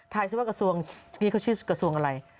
ซิว่ากระทรวงนี่เขาชื่อกระทรวงอะไร